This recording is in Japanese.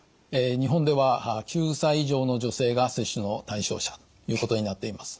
日本では９歳以上の女性が接種の対象者ということになっています。